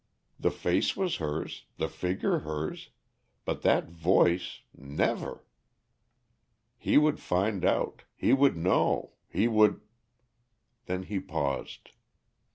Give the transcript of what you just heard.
The face was hers, the figure hers, but that voice never! He would find out, he would know, he would Then he paused.